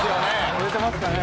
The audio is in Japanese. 売れてますかね？